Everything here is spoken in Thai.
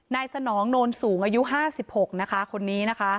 สนองโนนสูงอายุ๕๖นะคะคนนี้นะคะ